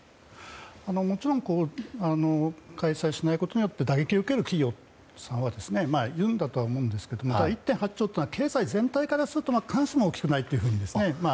もちろん開催しないことによって打撃を受ける企業さんはいるんだと思うんですけどただ、１．８兆は経済全体から見ると必ずしも大きくはないと思います。